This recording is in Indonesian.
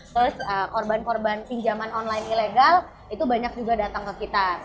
terus korban korban pinjaman online ilegal itu banyak juga datang ke kita